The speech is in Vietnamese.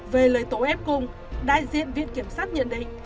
về lời tố ép cung đại diện viên kiểm sát nhận định